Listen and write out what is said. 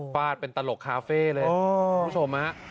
ฟาดเป็นตลกคาเฟ่เลยคุณผู้ชมฮะ